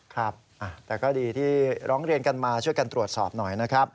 ครับแต่ก็ดีที่ร้องเรียนกันมาช่วยกันตรวจสอบหน่อยนะครับ